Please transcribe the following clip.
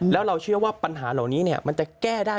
แล้วเราเชื่อว่าปัญหาเหล่านี้มันจะแก้ได้